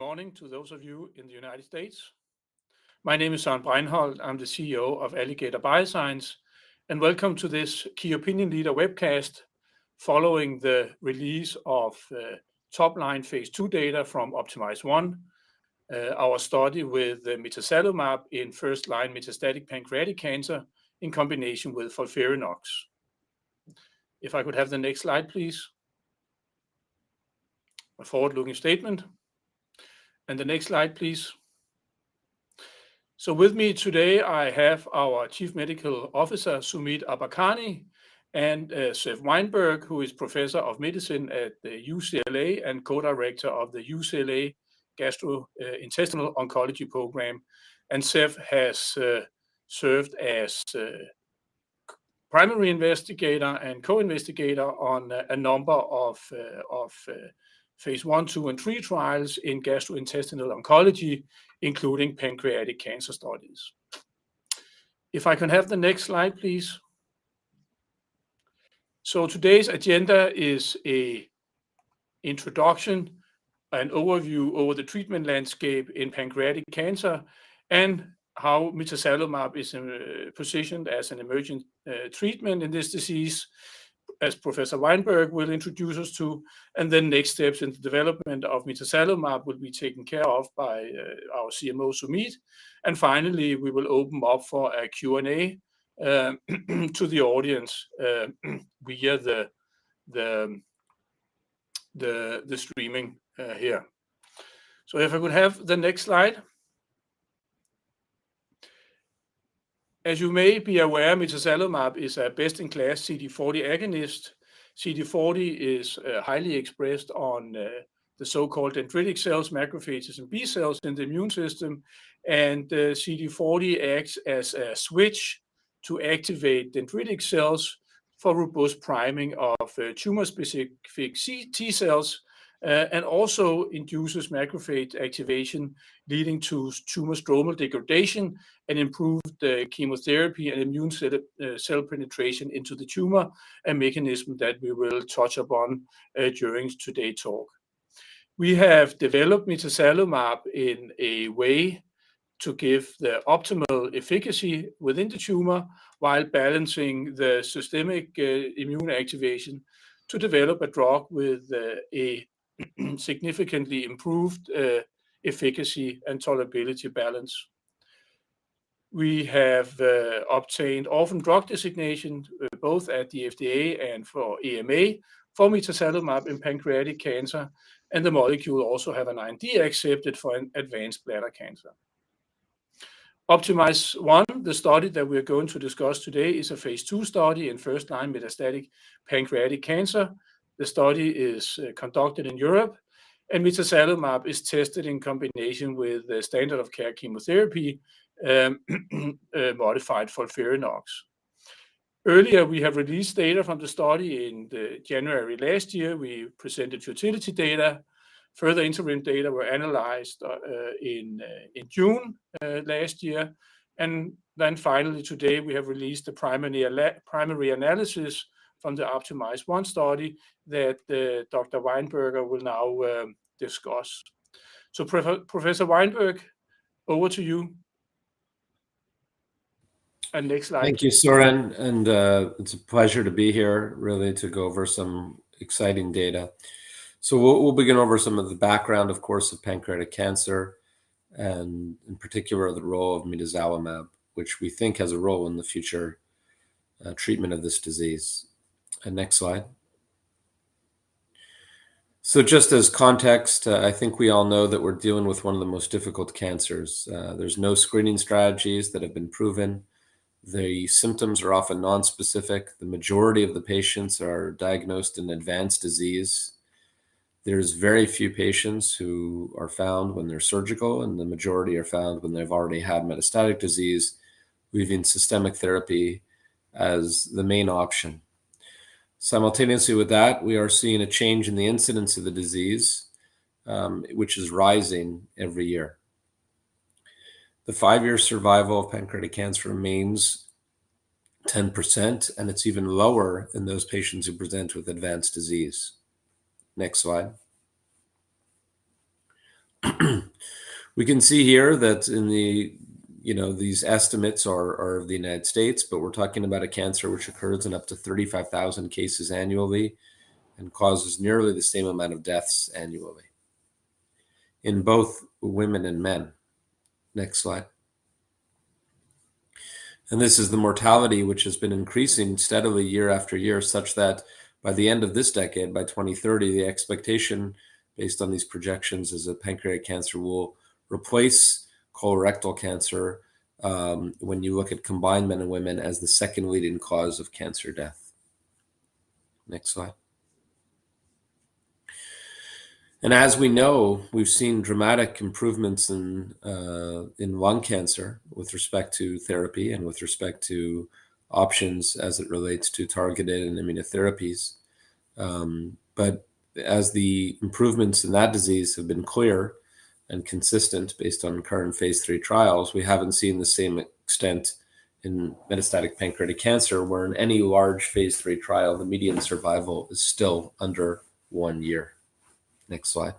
Morning to those of you in the United States. My Name is Søren Bregenholt. I'm the CEO of Alligator Bioscience, and welcome to this key opinion leader webcast following the release of top-line phase II data from OPTIMIZE-1, our study with mitazalimab in first-line metastatic pancreatic cancer in combination with FOLFIRINOX. If I could have the next slide, please. A forward-looking statement. The next slide, please. With me today, I have our Chief Medical Officer, Sumeet Ambarkhane, and Zev Wainberg, who is Professor of Medicine at the UCLA and Co-Director of the UCLA Gastrointestinal Oncology Program. Zev has served as primary investigator and co-investigator on a number of phase I, II, and III trials in gastrointestinal oncology, including pancreatic cancer studies. If I can have the next slide, please. So today's agenda is an introduction, an overview of the treatment landscape in pancreatic cancer, and how mitazalimab is positioned as an emergent treatment in this disease, as Professor Wainberg will introduce us to. And then next steps in the development of mitazalimab will be taken care of by our CMO, Sumeet. And finally, we will open up for a Q&A to the audience via the streaming here. So if I could have the next slide. As you may be aware, mitazalimab is a best-in-class CD40 agonist. CD40 is highly expressed on the so-called dendritic cells, macrophages, and B cells in the immune system. CD40 acts as a switch to activate dendritic cells for robust priming of tumor-specific T cells, and also induces macrophage activation, leading to tumor stromal degradation and improved chemotherapy and immune cell penetration into the tumor, a mechanism that we will touch upon during today's talk. We have developed mitazalimab in a way to give the optimal efficacy within the tumor while balancing the systemic immune activation to develop a drug with a significantly improved efficacy and tolerability balance. We have obtained orphan drug designation both at the FDA and for EMA, for mitazalimab in pancreatic cancer, and the molecule also have an IND accepted for an advanced bladder cancer. OPTIMIZE-1, the study that we're going to discuss today, is a phase II study in first-line metastatic pancreatic cancer. The study is conducted in Europe, and mitazalimab is tested in combination with the standard of care chemotherapy, modified FOLFIRINOX. Earlier, we have released data from the study in January last year. We presented fertility data. Further interim data were analyzed in June last year. And then finally, today, we have released the primary analysis from the OPTIMIZE-1 study that Dr. Wainberg will now discuss. So Professor Wainberg, over to you. And next slide. Thank you, Søren, and it's a pleasure to be here, really, to go over some exciting data. So we'll begin over some of the background, of course, of pancreatic cancer, and in particular, the role of mitazalimab, which we think has a role in the future treatment of this disease. And next slide. So just as context, I think we all know that we're dealing with one of the most difficult cancers. There's no screening strategies that have been proven. The symptoms are often nonspecific. The majority of the patients are diagnosed in advanced disease. There's very few patients who are found when they're surgical, and the majority are found when they've already had metastatic disease, leaving systemic therapy as the main option. Simultaneously with that, we are seeing a change in the incidence of the disease, which is rising every year. The 5-year survival of pancreatic cancer remains 10%, and it's even lower in those patients who present with advanced disease. Next slide. We can see here that in the, you know, these estimates are, are of the United States, but we're talking about a cancer which occurs in up to 35,000 cases annually and causes nearly the same amount of deaths annually in both women and men. Next slide. This is the mortality, which has been increasing steadily year after year, such that by the end of this decade, by 2030, the expectation, based on these projections, is that pancreatic cancer will replace colorectal cancer, when you look at combined men and women, as the second leading cause of cancer death. Next slide. As we know, we've seen dramatic improvements in lung cancer with respect to therapy and with respect to options as it relates to targeted immunotherapies. As the improvements in that disease have been clear and consistent based on current phase III trials, we haven't seen the same extent in metastatic pancreatic cancer, where in any large phase III trial, the median survival is still under one year. Next slide.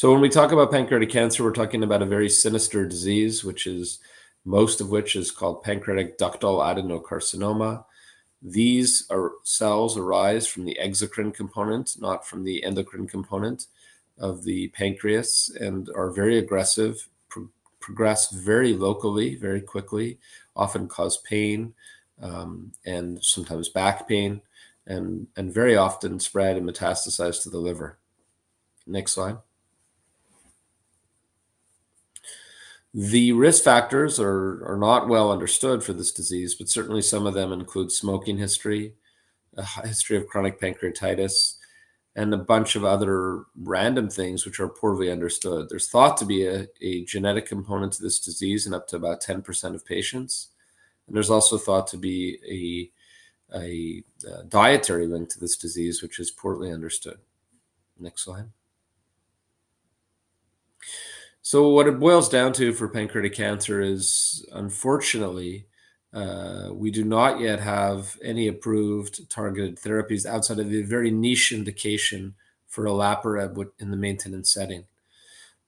When we talk about pancreatic cancer, we're talking about a very sinister disease, which is, most of which is called pancreatic ductal adenocarcinoma. These cells arise from the exocrine component, not from the endocrine component of the pancreas, and are very aggressive, progress very locally, very quickly, often cause pain, and sometimes back pain, and very often spread and metastasize to the liver. Next slide. The risk factors are not well understood for this disease, but certainly some of them include smoking history, a history of chronic pancreatitis, and a bunch of other random things which are poorly understood. There's thought to be a genetic component to this disease in up to about 10% of patients, and there's also thought to be a dietary link to this disease, which is poorly understood. Next slide. So what it boils down to for pancreatic cancer is, unfortunately, we do not yet have any approved targeted therapies outside of a very niche indication for olaparib with in the maintenance setting.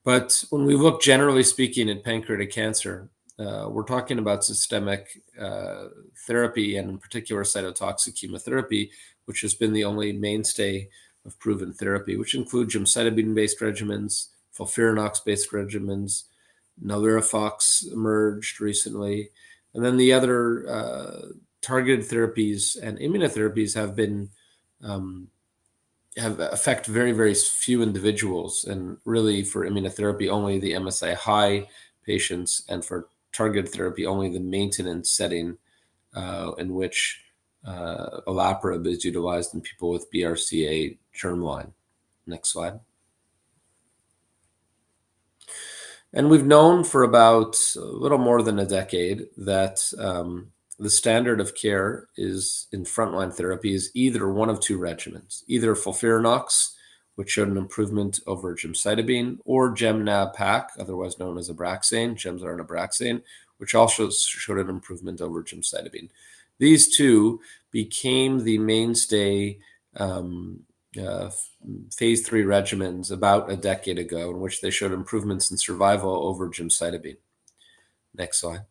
But when we look, generally speaking, at pancreatic cancer, we're talking about systemic therapy and in particular cytotoxic chemotherapy, which has been the only mainstay of proven therapy, which include gemcitabine-based regimens, FOLFIRINOX-based regimens, NALIRIFOX emerged recently. Then the other targeted therapies and immunotherapies have affected very, very few individuals, and really, for immunotherapy, only the MSI-High patients, and for targeted therapy, only the maintenance setting, in which olaparib is utilized in people with BRCA germline. Next slide. We've known for about a little more than a decade that the standard of care is, in frontline therapy, either one of two regimens. Either FOLFIRINOX, which showed an improvement over gemcitabine, or Gem/Nab-Pac, otherwise known as Abraxane, Gemzar and Abraxane, which also showed an improvement over gemcitabine. These two became the mainstay phase III regimens about a decade ago, in which they showed improvements in survival over gemcitabine. Next slide.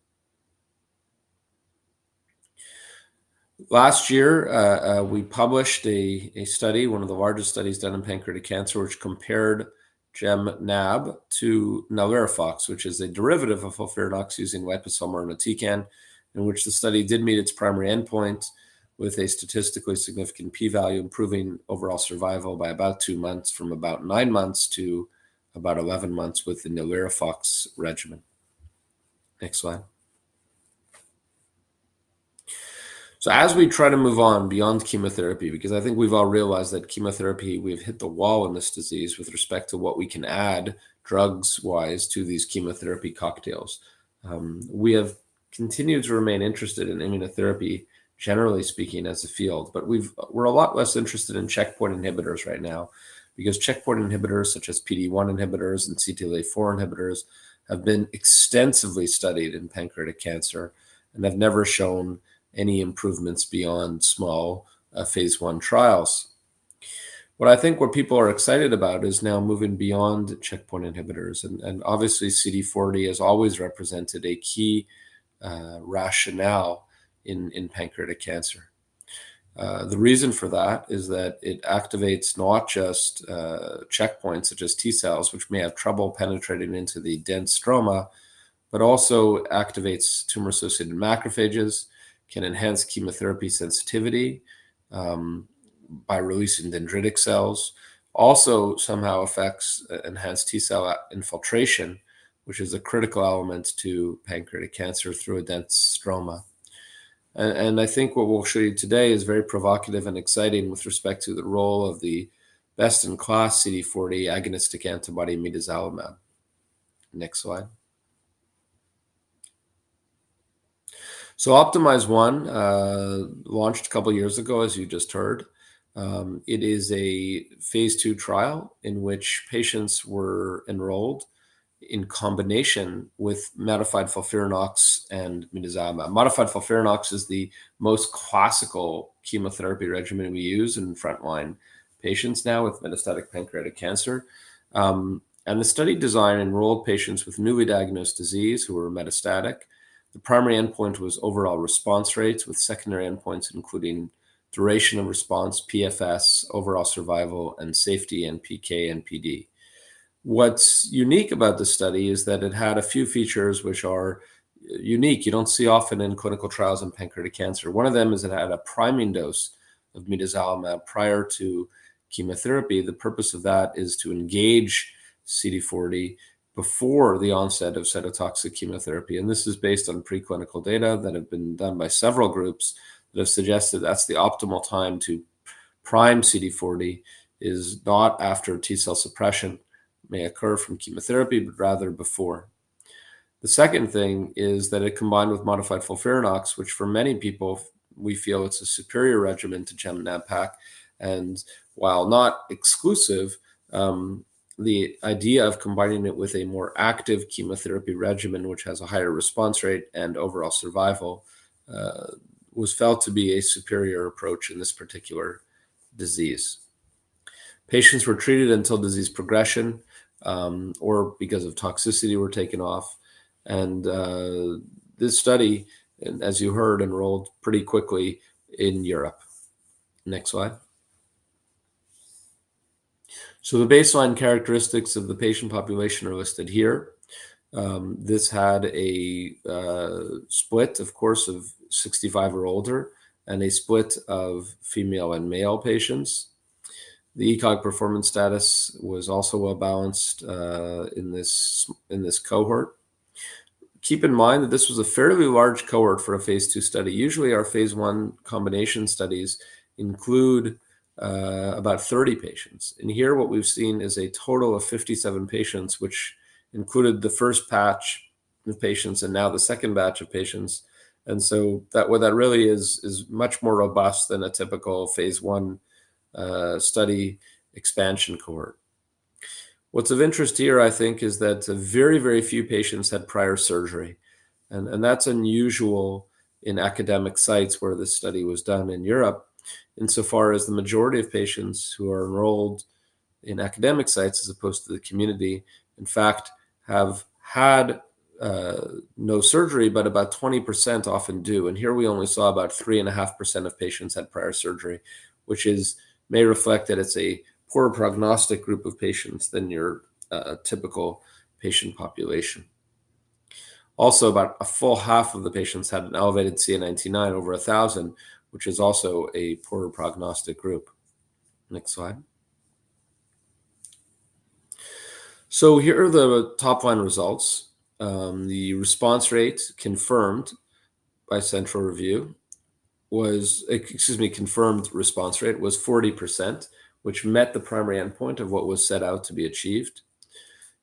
Last year, we published a study, one of the largest studies done in pancreatic cancer, which compared Gem/Nab to NALIRIFOX, which is a derivative of FOLFIRINOX using liposomal irinotecan, in which the study did meet its primary endpoint with a statistically significant p-value, improving overall survival by about 2 months, from about 9 months to about eleven months with the NALIRIFOX regimen. Next slide. So as we try to move on beyond chemotherapy, because I think we've all realized that chemotherapy, we've hit the wall in this disease with respect to what we can add, drugs-wise, to these chemotherapy cocktails. We have continued to remain interested in immunotherapy, generally speaking, as a field, but we're a lot less interested in checkpoint inhibitors right now, because checkpoint inhibitors, such as PD-1 inhibitors and CTLA-4 inhibitors, have been extensively studied in pancreatic cancer and have never shown any improvements beyond small, phase I trials. What I think people are excited about is now moving beyond checkpoint inhibitors, and obviously, CD40 has always represented a key rationale in pancreatic cancer. The reason for that is that it activates not just checkpoints, such as T cells, which may have trouble penetrating into the dense stroma, but also activates tumor-associated macrophages, can enhance chemotherapy sensitivity by releasing dendritic cells. Also, somehow affects enhanced T cell infiltration, which is a critical element to pancreatic cancer through a dense stroma. I think what we'll show you today is very provocative and exciting with respect to the role of the best-in-class CD40 agonistic antibody, mitazalimab. Next slide. So OPTIMIZE-1 launched a couple of years ago, as you just heard. It is a phase II trial in which patients were enrolled in combination with modified FOLFIRINOX and mitazalimab. Modified FOLFIRINOX is the most classical chemotherapy regimen we use in frontline patients now with metastatic pancreatic cancer. The study design enrolled patients with newly diagnosed disease who were metastatic. The primary endpoint was overall response rates, with secondary endpoints, including duration of response, PFS, overall survival, and safety, and PK, and PD. What's unique about this study is that it had a few features which are unique, you don't see often in clinical trials in pancreatic cancer. One of them is it had a priming dose of mitazalimab prior to chemotherapy. The purpose of that is to engage CD40 before the onset of cytotoxic chemotherapy, and this is based on preclinical data that have been done by several groups that have suggested that's the optimal time to prime CD40, is not after T cell suppression may occur from chemotherapy, but rather before. The second thing is that it combined with modified FOLFIRINOX, which for many people, we feel it's a superior regimen to Gem/Nab-Pac. And while not exclusive, the idea of combining it with a more active chemotherapy regimen, which has a higher response rate and overall survival, was felt to be a superior approach in this particular disease. Patients were treated until disease progression, or because of toxicity, were taken off. This study, as you heard, enrolled pretty quickly in Europe. Next slide. So the baseline characteristics of the patient population are listed here. This had a split, of course, of 65 or older, and a split of female and male patients. The ECOG performance status was also well-balanced in this cohort. Keep in mind that this was a fairly large cohort for a phase II study. Usually, our phase I combination studies include about 30 patients, and here what we've seen is a total of 57 patients, which included the first batch of patients and now the second batch of patients. And so what that really is is much more robust than a typical phase I study expansion cohort. What's of interest here, I think, is that very, very few patients had prior surgery, and that's unusual in academic sites where this study was done in Europe, insofar as the majority of patients who are enrolled in academic sites, as opposed to the community, in fact, have had no surgery, but about 20% often do. And here we only saw about 3.5% of patients had prior surgery, which may reflect that it's a poorer prognostic group of patients than your a typical patient population. Also, about a full half of the patients had an elevated CA 19-9 over 1,000, which is also a poorer prognostic group. Next slide. Here are the top-line results. The confirmed response rate was 40%, which met the primary endpoint of what was set out to be achieved.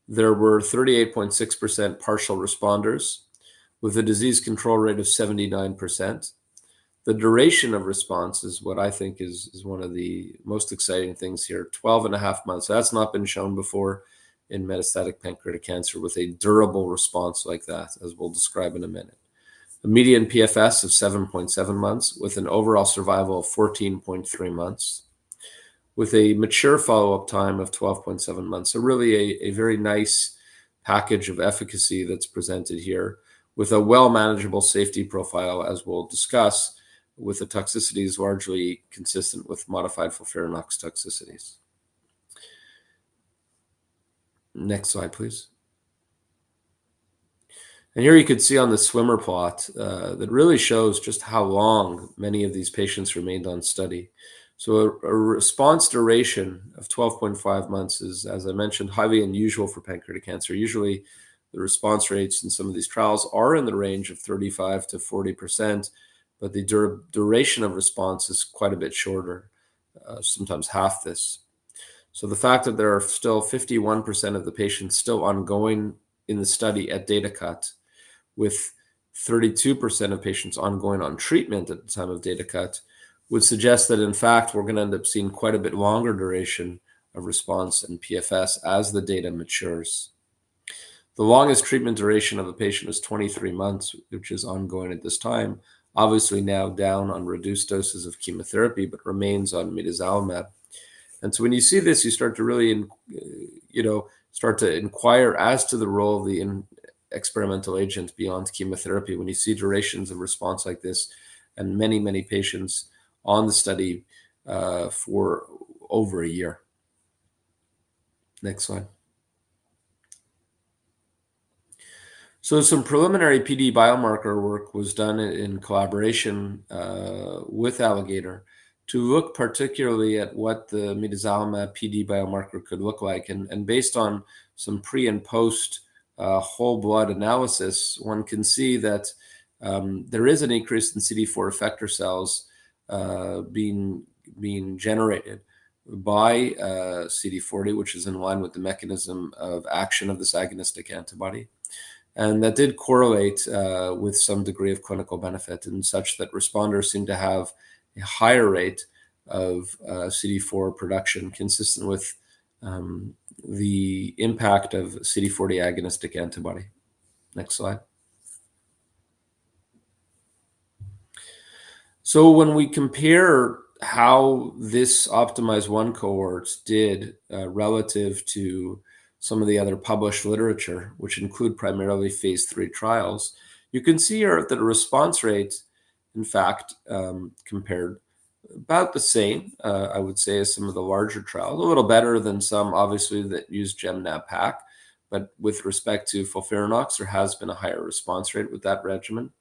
There were 38.6% partial responders, with a disease control rate of 79%. The duration of response is what I think is one of the most exciting things here, 12.5 months. That's not been shown before in metastatic pancreatic cancer with a durable response like that, as we'll describe in a minute. A median PFS of 7.7 months, with an overall survival of 14.3 months, with a mature follow-up time of 12.7 months. So really, a very nice package of efficacy that's presented here, with a well manageable safety profile, as we'll discuss, with the toxicities largely consistent with modified FOLFIRINOX toxicities. Next slide, please. Here you can see on the swimmer plot that really shows just how long many of these patients remained on study. So a response duration of 12.5 months is, as I mentioned, highly unusual for pancreatic cancer. Usually, the response rates in some of these trials are in the range of 35%-40%, but the duration of response is quite a bit shorter, sometimes half this. So the fact that there are still 51% of the patients still ongoing in the study at data cut, with 32% of patients ongoing on treatment at the time of data cut, would suggest that, in fact, we're gonna end up seeing quite a bit longer duration of response in PFS as the data matures. The longest treatment duration of a patient is 23 months, which is ongoing at this time. Obviously, now down on reduced doses of chemotherapy, but remains on mitazalimab. So when you see this, you start to really, you know, start to inquire as to the role of the experimental agent beyond chemotherapy, when you see durations of response like this, and many, many patients on the study, for over a year. Next slide. So some preliminary PD biomarker work was done in collaboration with Alligator, to look particularly at what the mitazalimab PD biomarker could look like. And based on some pre- and post- whole blood analysis, one can see that there is an increase in CD4 effector cells being generated by CD40, which is in line with the mechanism of action of this agonistic antibody. That did correlate with some degree of clinical benefit, in such that responders seem to have a higher rate of CD40 production, consistent with the impact of CD40 agonistic antibody. Next slide. So when we compare how this OPTIMIZE-1 cohort did relative to some of the other published literature, which include primarily phase III trials, you can see here that the response rates, in fact, compared about the same, I would say, as some of the larger trials. A little better than some, obviously, that use Gem/Nab-Pac, but with respect to FOLFIRINOX, there has been a higher response rate with that regimen.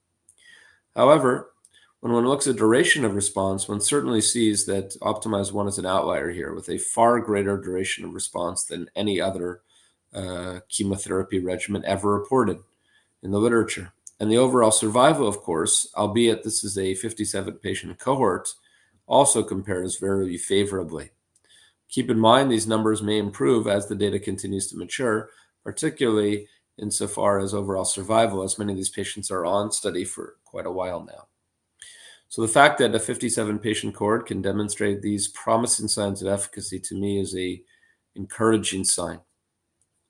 However, when one looks at duration of response, one certainly sees that OPTIMIZE-1 is an outlier here, with a far greater duration of response than any other chemotherapy regimen ever reported in the literature. And the overall survival, of course, albeit this is a 57-patient cohort, also compares very favorably. Keep in mind, these numbers may improve as the data continues to mature, particularly insofar as overall survival, as many of these patients are on study for quite a while now. So the fact that a 57-patient cohort can demonstrate these promising signs of efficacy, to me, is an encouraging sign.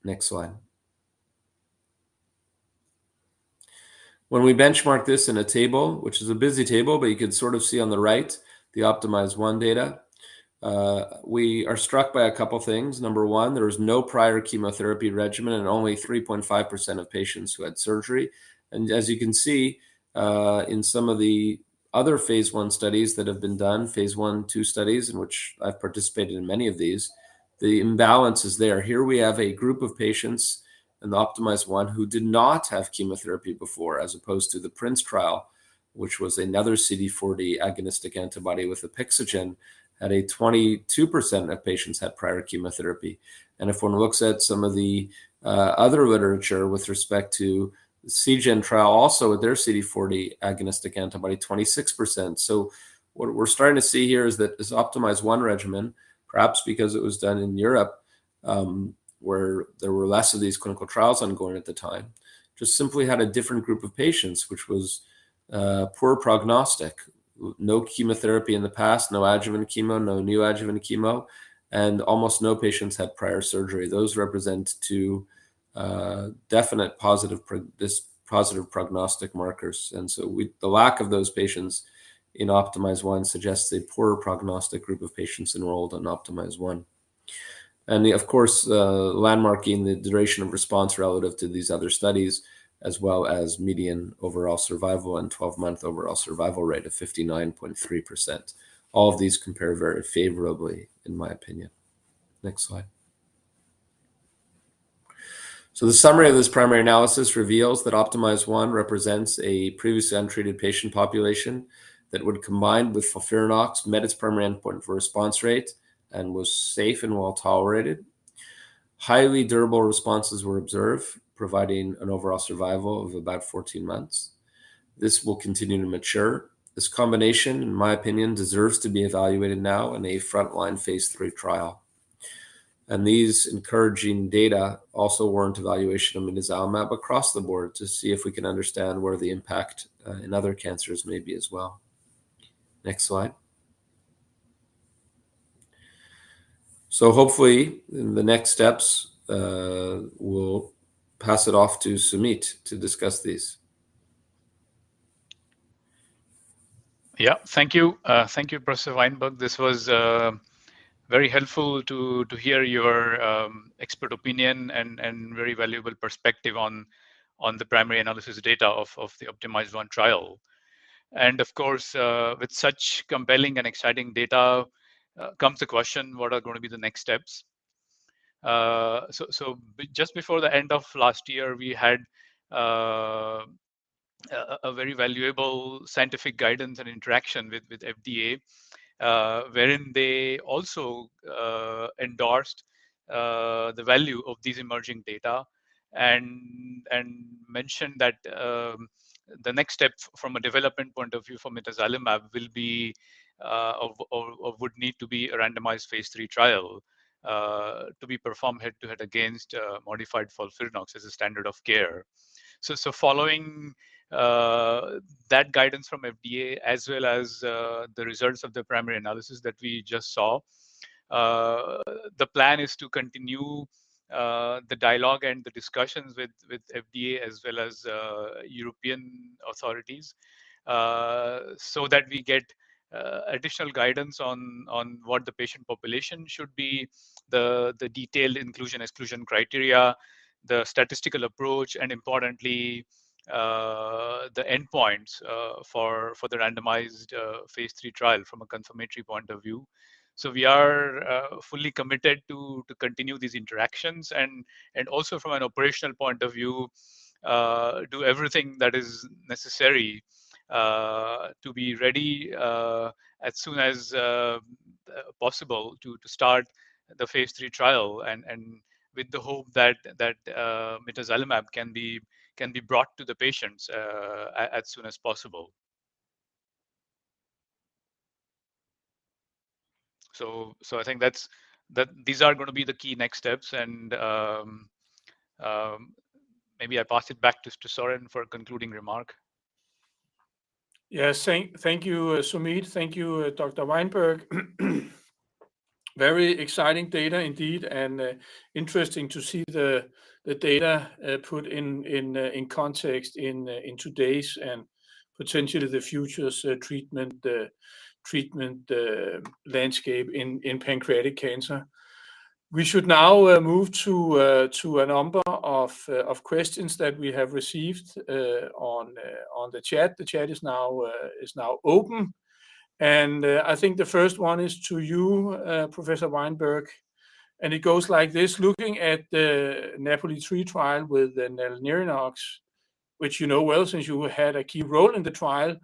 Next slide. When we benchmark this in a table, which is a busy table, but you can sort of see on the right the OPTIMIZE-1 data, we are struck by a couple things. Number one, there is no prior chemotherapy regimen, and only 3.5% of patients who had surgery. As you can see, in some of the other phase I studies that have been done, phase I and II studies, in which I've participated in many of these, the imbalance is there. Here we have a group of patients in the OPTIMIZE-1 who did not have chemotherapy before, as opposed to the PRINCE trial, which was another CD40 agonistic antibody with Apexigen, and 22% of patients had prior chemotherapy. If one looks at some of the other literature with respect to Seagen trial, also their CD40 agonistic antibody, 26%. So what we're starting to see here is that this OPTIMIZE-1 regimen, perhaps because it was done in Europe, where there were less of these clinical trials ongoing at the time, just simply had a different group of patients, which was poor prognostic. No chemotherapy in the past, no adjuvant chemo, no neoadjuvant chemo, and almost no patients had prior surgery. Those represent two definite positive prognostic markers. And so with the lack of those patients in OPTIMIZE-1 suggests a poorer prognostic group of patients enrolled in OPTIMIZE-1. And of course, landmarking the duration of response relative to these other studies, as well as median overall survival and 12-month overall survival rate of 59.3%. All of these compare very favorably, in my opinion. Next slide. So the summary of this primary analysis reveals that OPTIMIZE-1 represents a previously untreated patient population that would, combined with FOLFIRINOX, met its primary endpoint for response rate and was safe and well-tolerated. Highly durable responses were observed, providing an overall survival of about 14 months. This will continue to mature. This combination, in my opinion, deserves to be evaluated now in a frontline phase III trial. These encouraging data also warrant evaluation of mitazalimab across the board, to see if we can understand where the impact in other cancers may be as well. Next slide. Hopefully, in the next steps, we'll pass it off to Sumeet to discuss these. Yeah. Thank you. Thank you, Professor Wainberg. This was very helpful to hear your expert opinion and very valuable perspective on the primary analysis data of the OPTIMIZE-1 trial. And of course, with such compelling and exciting data, comes the question: What are gonna be the next steps? Just before the end of last year, we had a very valuable scientific guidance and interaction with FDA, wherein they also endorsed the value of these emerging data and mentioned that the next step from a development point of view for mitazalimab will be, or would need to be a randomized phase III trial to be performed head-to-head against modified FOLFIRINOX as a standard of care. So, following that guidance from FDA, as well as the results of the primary analysis that we just saw, the plan is to continue the dialogue and the discussions with FDA, as well as European authorities, so that we get additional guidance on what the patient population should be, the detailed inclusion/exclusion criteria, the statistical approach, and importantly, the endpoints for the randomized phase III trial from a confirmatory point of view. So we are fully committed to continue these interactions, and also from an operational point of view, do everything that is necessary to be ready as soon as possible to start the phase III trial, and with the hope that mitazalimab can be brought to the patients as soon as possible. So I think that's that these are gonna be the key next steps, and maybe I pass it back to Søren for a concluding remark. Yes. Thank you, Sumeet. Thank you, Dr. Wainberg. Very exciting data indeed, and interesting to see the data put in context in today's and potentially the future's treatment landscape in pancreatic cancer. We should now move to a number of questions that we have received on the chat. The chat is now open. And I think the first one is to you, Professor Wainberg, and it goes like this: Looking at the NAPOLI-3 trial with the NALIRIFOX, which you know well since you had a key role in the trial,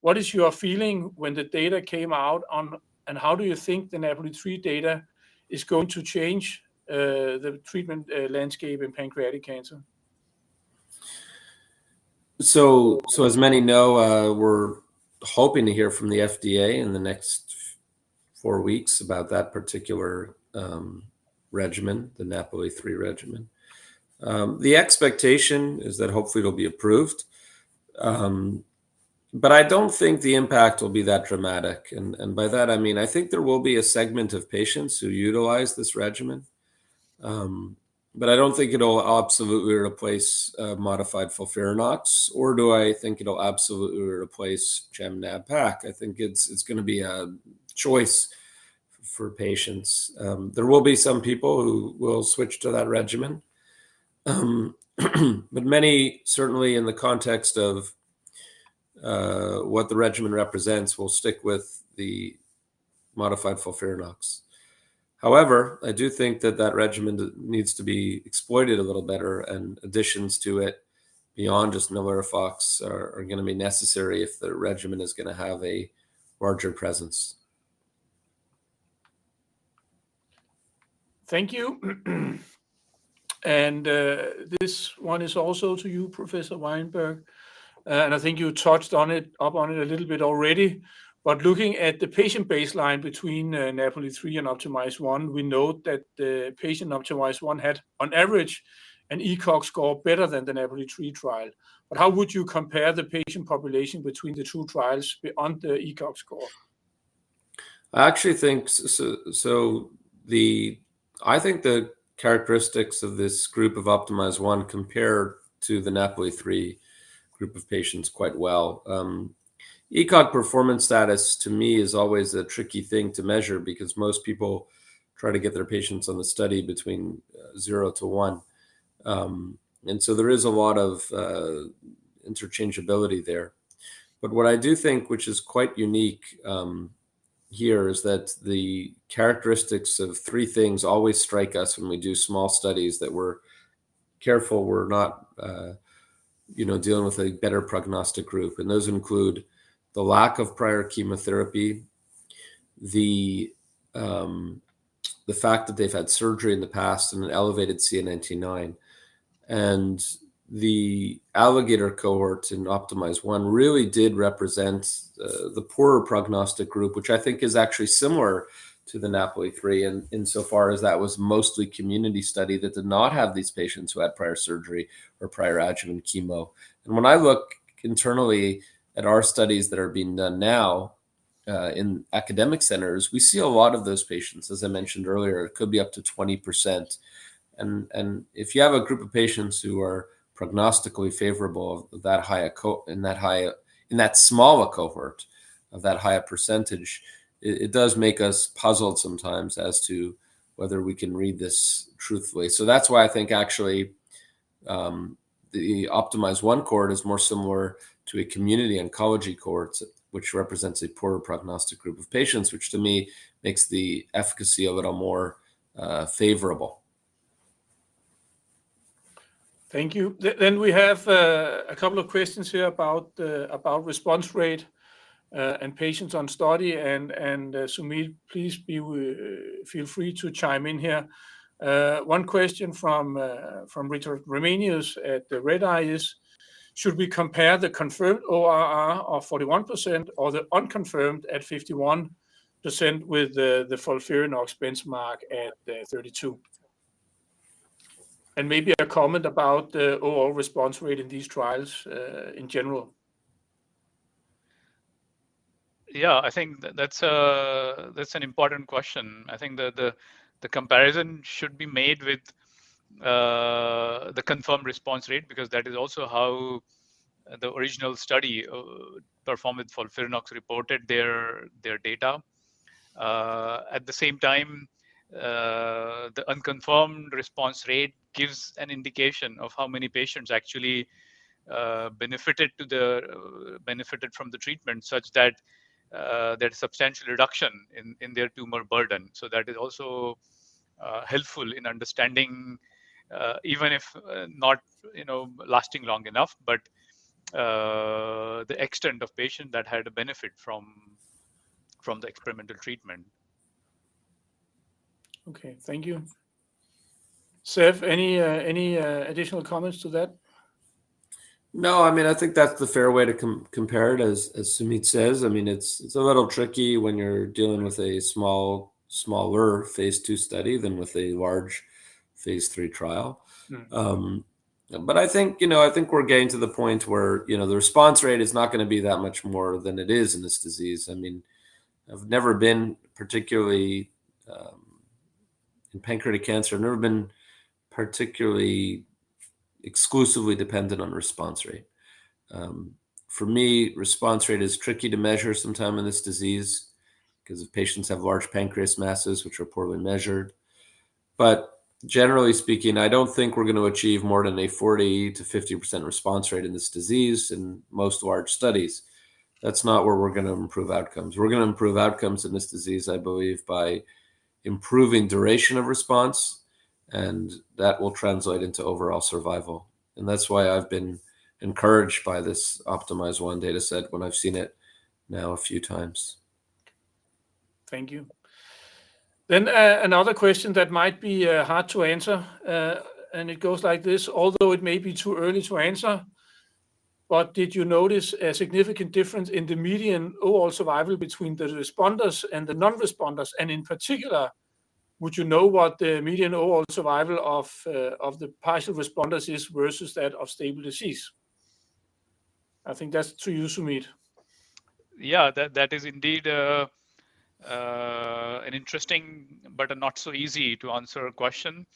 what is your feeling when the data came out on, and how do you think the NAPOLI-3 data is going to change the treatment landscape in pancreatic cancer? So, so as many know, we're hoping to hear from the FDA in the next four weeks about that particular regimen, the NAPOLI-3 regimen. The expectation is that hopefully it'll be approved. But I don't think the impact will be that dramatic, and, and by that I mean, I think there will be a segment of patients who utilize this regimen. But I don't think it'll absolutely replace modified FOLFIRINOX, or do I think it'll absolutely replace Gem/Nab-Pac. I think it's, it's gonna be a choice for patients. There will be some people who will switch to that regimen, but many certainly in the context of what the regimen represents, will stick with the modified FOLFIRINOX. However, I do think that that regimen needs to be exploited a little better, and additions to it beyond just NALIRIFOX are gonna be necessary if the regimen is gonna have a larger presence. Thank you. And this one is also to you, Professor Wainberg, and I think you touched on it a little bit already. But looking at the patient baseline between NAPOLI-3 and OPTIMIZE-1, we know that the patient OPTIMIZE-1 had, on average, an ECOG score better than the NAPOLI-3 trial. But how would you compare the patient population between the two trials on the ECOG score? I actually think the characteristics of this group of OPTIMIZE-1 compare to the NAPOLI-3 group of patients quite well. ECOG performance status, to me, is always a tricky thing to measure because most people try to get their patients on the study between 0-1. And so there is a lot of interchangeability there. But what I do think, which is quite unique here, is that the characteristics of three things always strike us when we do small studies, that we're careful we're not, you know, dealing with a better prognostic group, and those include, the lack of prior chemotherapy, the fact that they've had surgery in the past and an elevated CA 19-9. The Alligator cohorts in OPTIMIZE-1 really did represent the poorer prognostic group, which I think is actually similar to the NAPOLI-3, insofar as that was mostly a community study that did not have these patients who had prior surgery or prior adjuvant chemo. When I look internally at our studies that are being done now in academic centers, we see a lot of those patients. As I mentioned earlier, it could be up to 20%. And if you have a group of patients who are prognostically favorable, that high a cohort in that high a in that small a cohort of that high a percentage, it does make us puzzled sometimes as to whether we can read this truthfully. So that's why I think actually, the OPTIMIZE-1 cohort is more similar to a community oncology cohorts, which represents a poorer prognostic group of patients, which to me, makes the efficacy a little more favorable. Thank you. Then we have a couple of questions here about response rate and patients on study. And Sumeet, please feel free to chime in here. One question from Richard Raminius at Redeye is, should we compare the confirmed ORR of 41% or the unconfirmed at 51% with the FOLFIRINOX benchmark at 32%? And maybe a comment about the overall response rate in these trials in general. Yeah, I think that's an important question. I think the comparison should be made with the confirmed response rate, because that is also how the original study performed with FOLFIRINOX reported their data. At the same time, the unconfirmed response rate gives an indication of how many patients actually benefited from the treatment, such that there's substantial reduction in their tumor burden. So that is also helpful in understanding even if not, you know, lasting long enough, but the extent of patient that had a benefit from the experimental treatment. Okay. Thank you. Zev, any additional comments to that? No, I mean, I think that's the fair way to compare it, as Sumeet says. I mean, it's a little tricky when you're dealing with a smaller phase II study than with a large phase III trial. Mm. But I think, you know, I think we're getting to the point where, you know, the response rate is not gonna be that much more than it is in this disease. I mean, I've never been particularly in pancreatic cancer, I've never been particularly exclusively dependent on response rate. For me, response rate is tricky to measure sometimes in this disease, cause the patients have large pancreas masses, which are poorly measured. But generally speaking, I don't think we're gonna achieve more than a 40%-50% response rate in this disease in most large studies. That's not where we're gonna improve outcomes. We're gonna improve outcomes in this disease, I believe, by improving duration of response, and that will translate into overall survival, and that's why I've been encouraged by this OPTIMIZE-1 data set when I've seen it now a few times. Thank you. Then, another question that might be hard to answer, and it goes like this. Although it may be too early to answer, but did you notice a significant difference in the median overall survival between the responders and the non-responders, and in particular, would you know what the median overall survival of the partial responders is versus that of stable disease? I think that's to you, Sumeet. Yeah, that, that is indeed an interesting but a not so easy to answer question.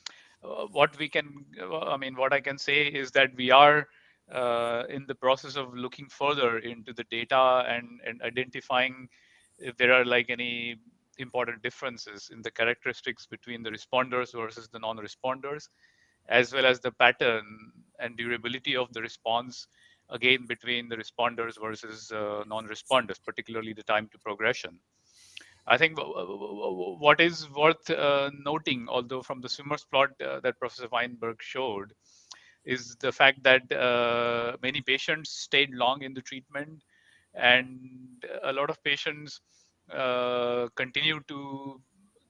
I mean, what I can say is that we are in the process of looking further into the data and identifying if there are, like, any important differences in the characteristics between the responders versus the non-responders, as well as the pattern and durability of the response, again, between the responders versus non-responders, particularly the time to progression. I think what is worth noting, although from the Swimmer's plot that Professor Wainberg showed, is the fact that many patients stayed long in the treatment, and a lot of patients continued to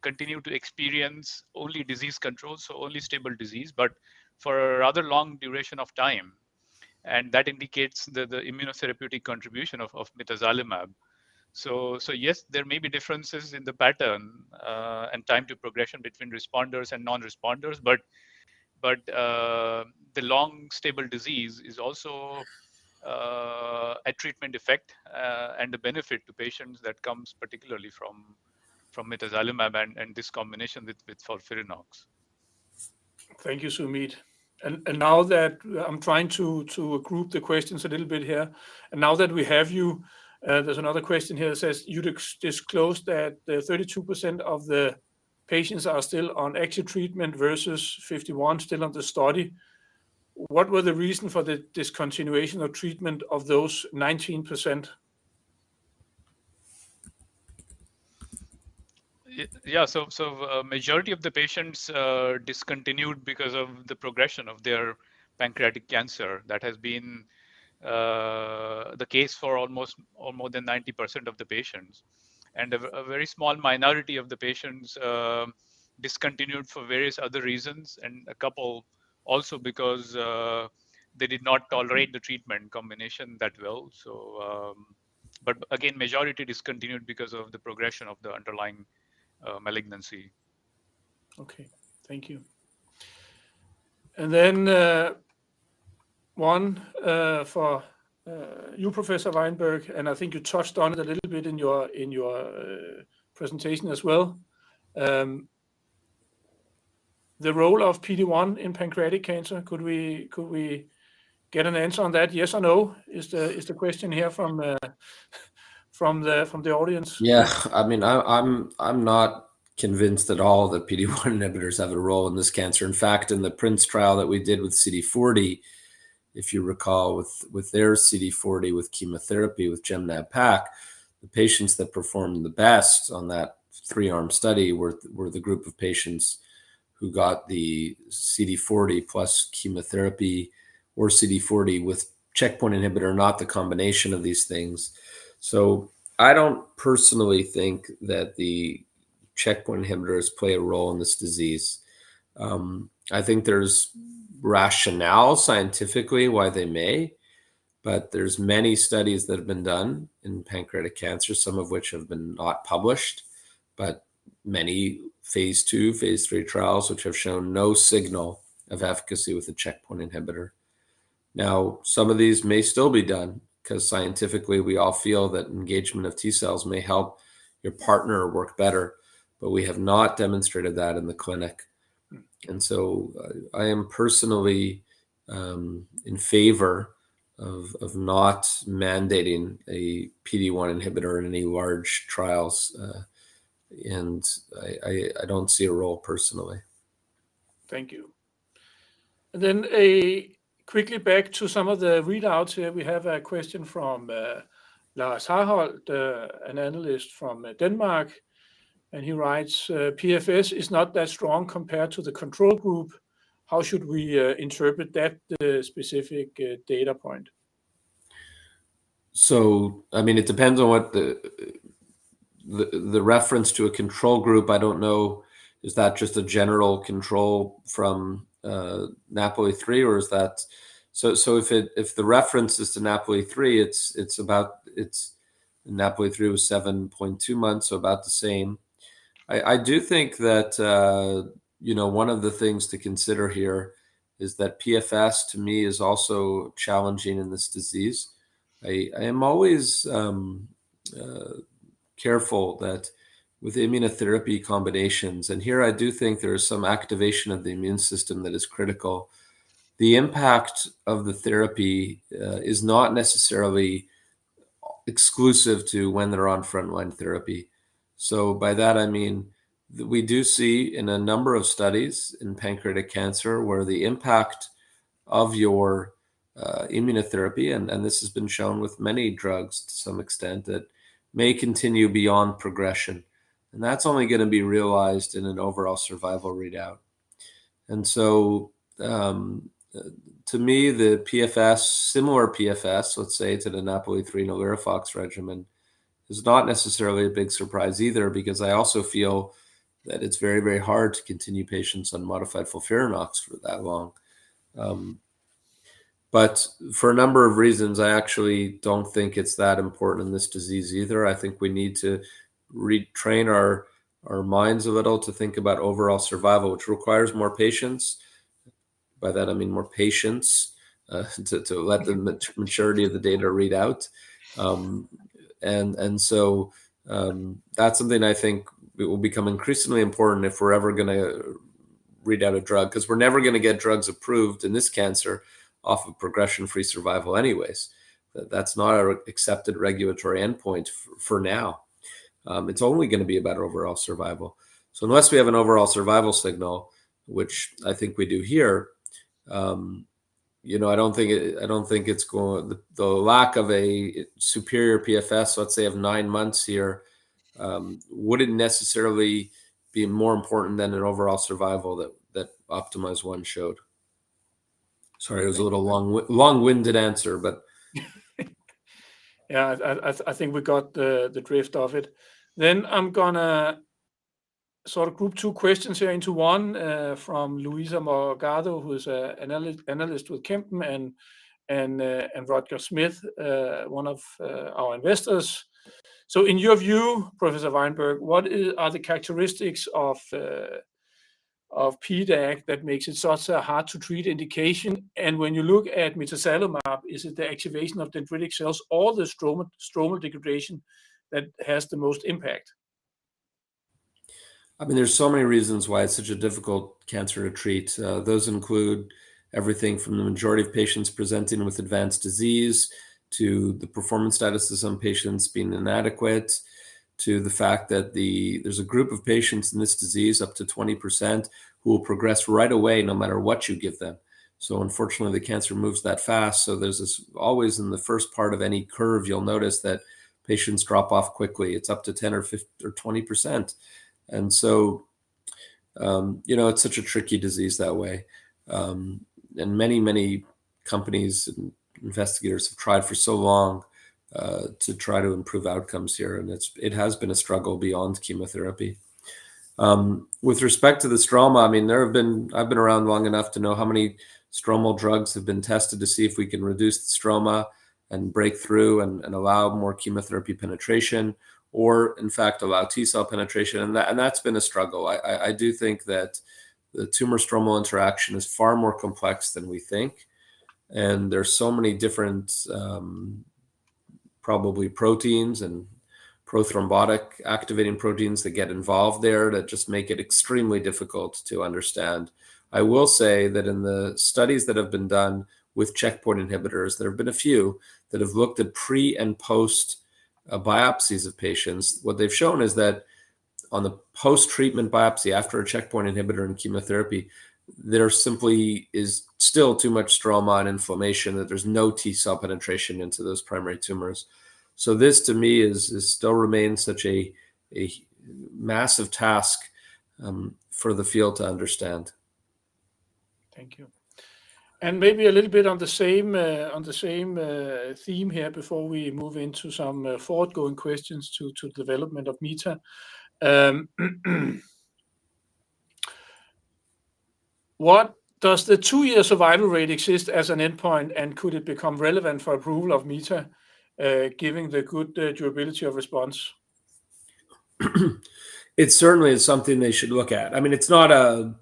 experience only disease control, so only stable disease, but for a rather long duration of time. That indicates the immunotherapeutic contribution of mitazalimab. So yes, there may be differences in the pattern and time to progression between responders and non-responders, but the long stable disease is also a treatment effect and a benefit to patients that comes particularly from mitazalimab and this combination with FOLFIRINOX. Thank you, Sumeet. And now that I'm trying to group the questions a little bit here. And now that we have you, there's another question here that says, "You disclosed that, uh, 32% of the patients are still on active treatment versus 51% still on the study. What were the reason for the discontinuation of treatment of those 19%? Yeah, so majority of the patients discontinued because of the progression of their pancreatic cancer. That has been the case for almost or more than 90% of the patients. And a very small minority of the patients discontinued for various other reasons, and a couple also because they did not tolerate the treatment combination that well. So, but again, majority discontinued because of the progression of the underlying malignancy. Okay, thank you. And then, one for you, Professor Wainberg, and I think you touched on it a little bit in your presentation as well. The role of PD-1 in pancreatic cancer, could we get an answer on that, yes or no? Is the question here from the audience. Yeah. I mean, I'm not convinced at all that PD-1 inhibitors have a role in this cancer. In fact, in the PRINCE trial that we did with CD40, if you recall, with their CD40, with chemotherapy, with Gem/Nab-Pac, the patients that performed the best on that three-arm study were the group of patients who got the CD40 plus chemotherapy, or CD40 with checkpoint inhibitor, not the combination of these things. So I don't personally think that the checkpoint inhibitors play a role in this disease. I think there's rationale scientifically why they may, but there's many studies that have been done in pancreatic cancer, some of which have been not published, but many phase II, phase III trials which have shown no signal of efficacy with the checkpoint inhibitor. Now, some of these may still be done, cause scientifically, we all feel that engagement of T cells may help your partner work better, but we have not demonstrated that in the clinic. And so, I am personally in favor of not mandating a PD-1 inhibitor in any large trials. And I don't see a role personally. Thank you. And then quickly back to some of the readouts here. We have a question from Lars Harholt, an analyst from Denmark, and he writes, PFS is not that strong compared to the control group. How should we interpret that specific data point? So, I mean, it depends on what the reference to a control group. I don't know, is that just a general control from NAPOLI-3, or is that, so, if the reference is to NAPOLI-3, it's about, it's NAPOLI-3 was 7.2 months, so about the same. I do think that, you know, one of the things to consider here is that PFS, to me, is also challenging in this disease. I am always careful that with immunotherapy combinations, and here I do think there is some activation of the immune system that is critical. The impact of the therapy is not necessarily exclusive to when they're on frontline therapy. So by that, I mean, we do see in a number of studies in pancreatic cancer, where the impact of your, immunotherapy, and, and this has been shown with many drugs to some extent, that may continue beyond progression. And that's only gonna be realized in an overall survival readout. And so, to me, the PFS, similar PFS, let's say, to the NAPOLI-3 and nab-paclitaxel regimen, is not necessarily a big surprise either, because I also feel that it's very, very hard to continue patients on modified FOLFIRINOX for that long. But for a number of reasons, I actually don't think it's that important in this disease either. I think we need to retrain our, our minds a little to think about overall survival, which requires more patience. By that I mean more patience to let the maturity of the data read out. And so that's something I think it will become increasingly important if we're ever gonna read out a drug. Cause we're never gonna get drugs approved in this cancer off of progression-free survival anyways. That's not our accepted regulatory endpoint for now. It's only gonna be about overall survival. So unless we have an overall survival signal, which I think we do here, you know, I don't think it's going. The lack of a superior PFS, let's say of nine months here, wouldn't necessarily be more important than an overall survival that OPTIMIZE-1 showed. Sorry, it was a little long-winded answer, but. Yeah, I think we got the drift of it. Then I'm gonna sort of group two questions here into one from Luisa Morgado, who is an analyst with Kempen, and Roger Smith, one of our investors. So in your view, Professor Wainberg, what are the characteristics of PDAC that makes it such a hard-to-treat indication? And when you look at mitazalimab, is it the activation of dendritic cells or the stromal degradation that has the most impact? I mean, there's so many reasons why it's such a difficult cancer to treat. Those include everything from the majority of patients presenting with advanced disease, to the performance status of some patients being inadequate, to the fact that there's a group of patients in this disease, up to 20%, who will progress right away no matter what you give them. So unfortunately, the cancer moves that fast, so there's always in the first part of any curve, you'll notice that patients drop off quickly. It's up to 10% or 15% or 20%. And so, you know, it's such a tricky disease that way. And many, many companies and investigators have tried for so long, to try to improve outcomes here, and it's, it has been a struggle beyond chemotherapy. With respect to the stroma, I mean, there have been, I've been around long enough to know how many stromal drugs have been tested to see if we can reduce the stroma and break through, and allow more chemotherapy penetration, or in fact, allow T-cell penetration, and that's been a struggle. I do think that the tumor-stromal interaction is far more complex than we think, and there's so many different, probably proteins and prothrombotic activating proteins that get involved there that just make it extremely difficult to understand. I will say that in the studies that have been done with checkpoint inhibitors, there have been a few that have looked at pre and post biopsies of patients. What they've shown is that on the post-treatment biopsy, after a checkpoint inhibitor and chemotherapy, there simply is still too much stroma and inflammation, that there's no T-cell penetration into those primary tumors. So this, to me, is still remains such a massive task for the field to understand. Thank you. And maybe a little bit on the same, on the same, theme here before we move into some, forward-going questions to, to development of MITA. What does the two-year survival rate exist as an endpoint, and could it become relevant for approval of MITA, given the good, durability of response? It certainly is something they should look at. I mean, it's not a,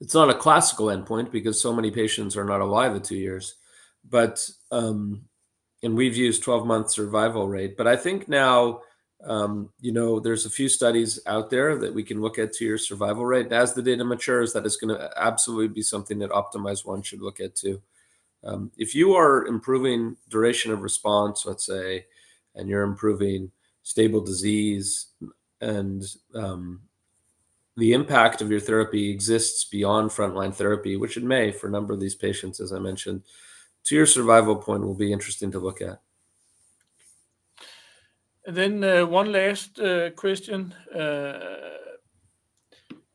it's not a classical endpoint because so many patients are not alive at two years. But, and we've used 12-month survival rate. But I think now, you know, there's a few studies out there that we can look at two-year survival rate. As the data matures, that is gonna absolutely be something that OPTIMIZE-1 should look at, too. If you are improving duration of response, let's say, and you're improving stable disease, and, the impact of your therapy exists beyond frontline therapy, which it may for a number of these patients, as I mentioned, 2-year survival point will be interesting to look at. Then, one last question.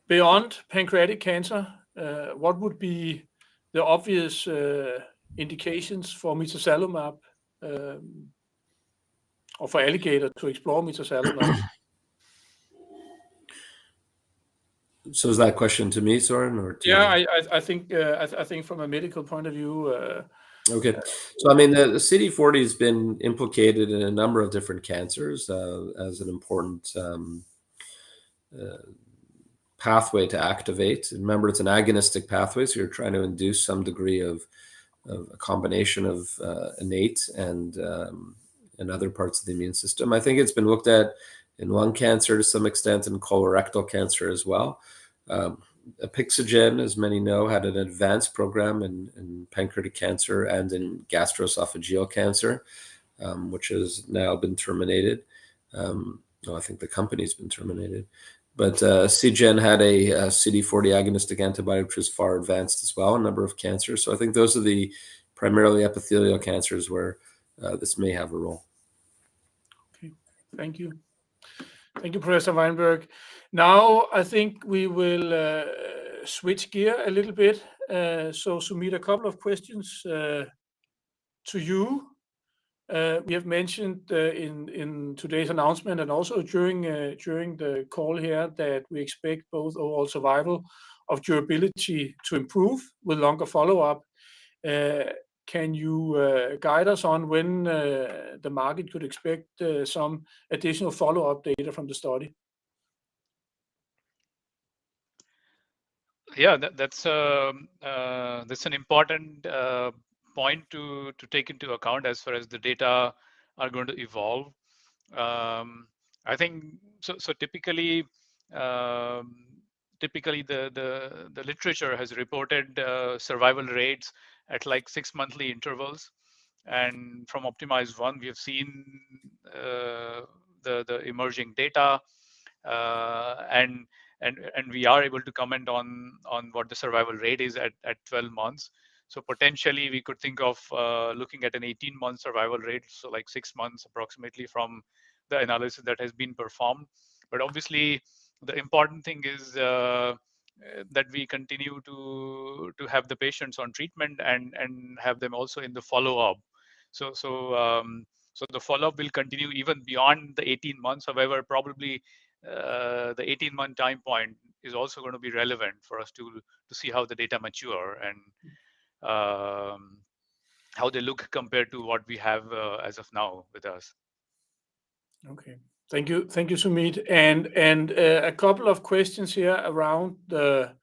Beyond pancreatic cancer, what would be the obvious indications for mitazalimab, or for Alligator to explore mitazalimab? So is that question to me, Søren, or to? Yeah, I think from a medical point of view. Okay. So I mean, the CD40 has been implicated in a number of different cancers, as an important pathway to activate. And remember, it's an agonistic pathway, so you're trying to induce some degree of a combination of innate and other parts of the immune system. I think it's been looked at in lung cancer to some extent, in colorectal cancer as well. Apexigen, as many know, had an advanced program in pancreatic cancer and in gastroesophageal cancer, which has now been terminated. No, I think the company's been terminated. But Seagen had a CD40 agonistic antibody, which was far advanced as well in a number of cancers. So I think those are the primarily epithelial cancers where this may have a role. Okay. Thank you. Thank you, Professor Wainberg. Now, I think we will switch gear a little bit. So Sumeet, a couple of questions to you. We have mentioned in today's announcement and also during the call here, that we expect both overall survival of durability to improve with longer follow-up. Can you guide us on when the market could expect some additional follow-up data from the study? Yeah, that's an important point to take into account as far as the data are going to evolve. I think so typically the literature has reported survival rates at, like, six monthly intervals. And from OPTIMIZE-1, we have seen the emerging data and we are able to comment on what the survival rate is at 12 months. So potentially we could think of looking at an 18-month survival rate, so like six months approximately from the analysis that has been performed. But obviously, the important thing is that we continue to have the patients on treatment and have them also in the follow-up. So the follow-up will continue even beyond the 18 months. However, probably, the 18-month time point is also gonna be relevant for us to, to see how the data mature and, how they look compared to what we have, as of now with us. Okay. Thank you. Thank you, Sumeet. And a couple of questions here around the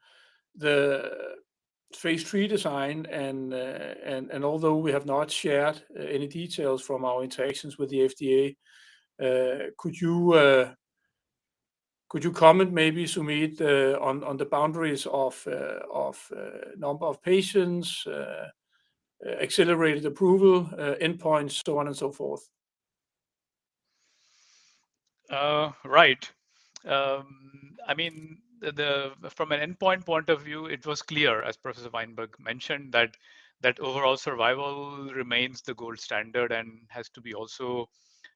phase III design and although we have not shared any details from our interactions with the FDA, could you comment maybe, Sumeet, on the boundaries of number of patients, accelerated approval, endpoints, so on and so forth? Right. I mean, from an endpoint point of view, it was clear, as Professor Wainberg mentioned, that that overall survival remains the gold standard and has to be also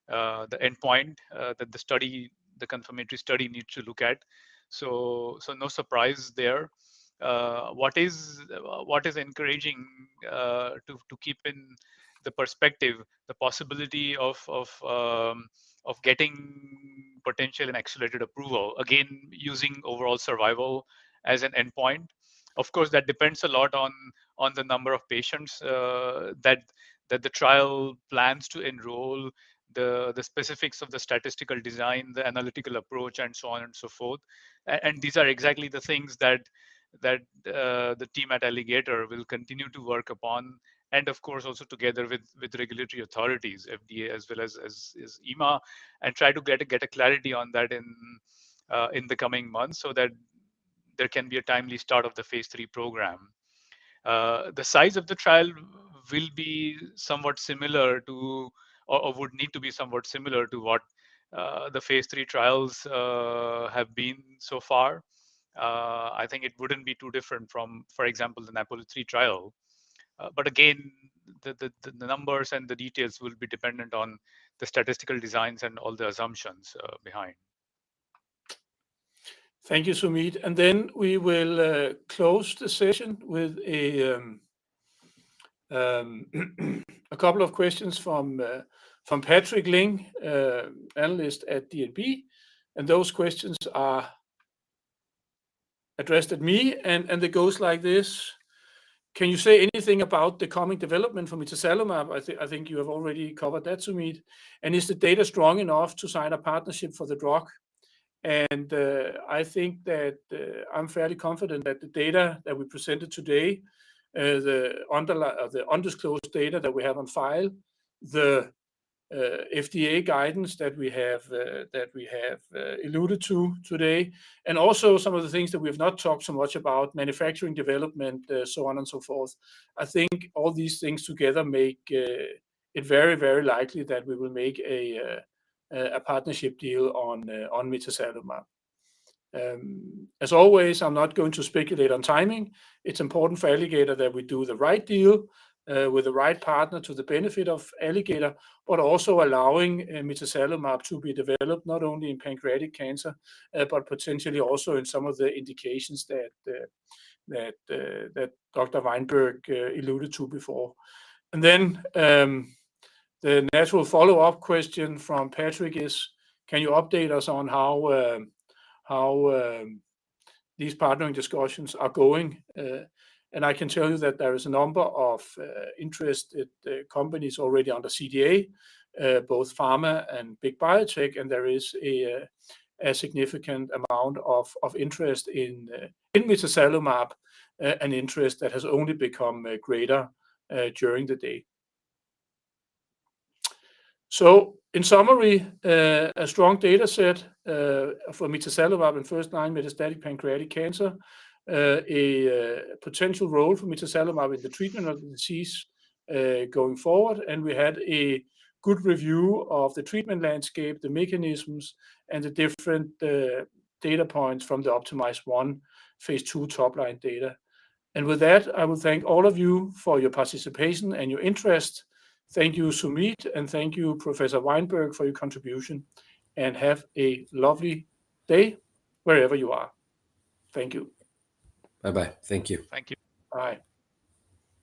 the endpoint that the study, the confirmatory study needs to look at. So no surprise there. What is encouraging to keep in the perspective, the possibility of getting potential and accelerated approval, again, using overall survival as an endpoint. Of course, that depends a lot on the number of patients that the trial plans to enroll, the specifics of the statistical design, the analytical approach, and so on and so forth. These are exactly the things that the team at Alligator will continue to work upon, and of course, also together with regulatory authorities, FDA, as well as EMA, and try to get clarity on that in the coming months, so that there can be a timely start of the phase III program. The size of the trial will be somewhat similar to or would need to be somewhat similar to what the phase III trials have been so far. I think it wouldn't be too different from, for example, the NAPOLI-3 trial. But again, the numbers and the details will be dependent on the statistical designs and all the assumptions behind. Thank you, Sumeet. Then we will close the session with a couple of questions from from Patrik Ling, analyst at DNB, and those questions are addressed at me, and it goes like this: "Can you say anything about the coming development for mitazalimab? I think you have already covered that, Sumeet. And is the data strong enough to sign a partnership for the drug?" And, I think that, I'm fairly confident that the data that we presented today, the undisclosed data that we have on file, the FDA guidance that we have, that we have alluded to today, and also some of the things that we have not talked so much about, manufacturing, development, so on and so forth, I think all these things together make it very, very likely that we will make a partnership deal on mitazalimab. As always, I'm not going to speculate on timing. It's important for Alligator that we do the right deal with the right partner to the benefit of Alligator, but also allowing mitazalimab to be developed not only in pancreatic cancer, but potentially also in some of the indications that that Dr. Wainberg alluded to before. And then, the natural follow-up question from Patrick is: "Can you update us on how these partnering discussions are going?" And I can tell you that there is a number of interested companies already under CDA, both pharma and big biotech, and there is a significant amount of interest in mitazalimab, an interest that has only become greater during the day. So in summary, a strong data set for mitazalimab in first-line metastatic pancreatic cancer, a potential role for mitazalimab in the treatment of the disease going forward. We had a good review of the treatment landscape, the mechanisms, and the different data points from the OPTIMIZE-1 phase II top-line data. With that, I will thank all of you for your participation and your interest. Thank you, Sumeet, and thank you, Professor Wainberg, for your contribution. Have a lovely day wherever you are. Thank you. Bye-bye. Thank you. Thank you. Bye.